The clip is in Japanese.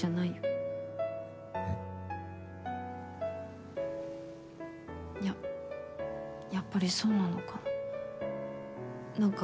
いややっぱりそうなのかな？